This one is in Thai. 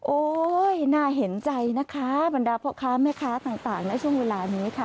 น่าเห็นใจนะคะบรรดาพ่อค้าแม่ค้าต่างในช่วงเวลานี้ค่ะ